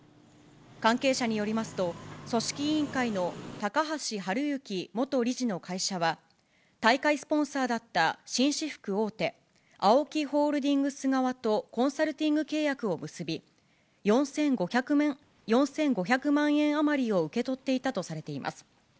関係者によりますと、組織委員会の高橋治之元理事の会社は、大会スポンサーだった紳士服大手、ＡＯＫＩホールディングス側とコンサルティング契約を結び、４５００万円余りを受け取っていたとされています。